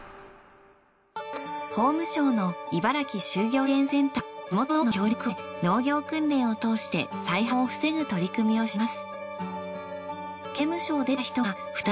法務省の茨城就業支援センターは地元の農家の協力を得て農業訓練を通して再犯を防ぐ取り組みをしています。